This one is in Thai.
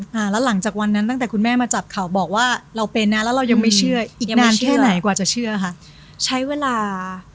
หลังจากวันนั้นตั้งแต่คุณแม่มาจับเขาบอกว่าเราเป็นนะแล้วเรายังไม่เชื่ออีกนานแค่ไหนกว่าจะเชื่อค่ะใช้เวลา